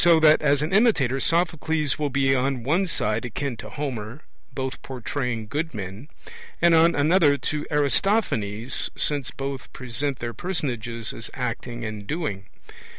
So that as an imitator Sophocles will be on one side akin to Homer, both portraying good men; and on another to Aristophanes, since both present their personages as acting and doing.